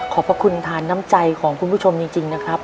พระคุณทานน้ำใจของคุณผู้ชมจริงนะครับ